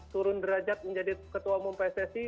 turun derajat menjadi ketua umum pssi